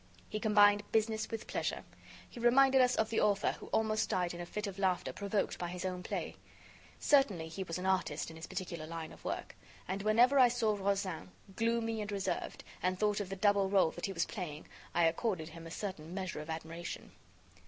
He combined business with pleasure. He reminded us of the author who almost died in a fit of laughter provoked by his own play. Certainly, he was an artist in his particular line of work, and whenever I saw Rozaine, gloomy and reserved, and thought of the double role that he was playing, I accorded him a certain measure of admiration.